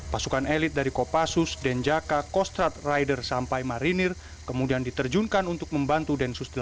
pasukan elit dari kopassus denjaka kostrad rider sampai marinir kemudian diterjunkan untuk membantu densus delapan puluh delapan